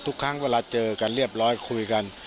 ทุกครั้งเวลาเจอกันเรียบร้อยคุยกัน